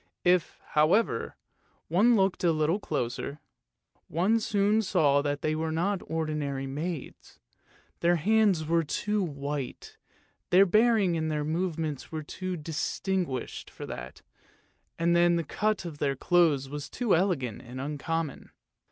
If, however, one looked a little closer, one soon saw that they were not ordinary maids; their hands were too white, their bearing and their movements were too distinguished for that, and then the cut of their clothes was too elegant and uncommon.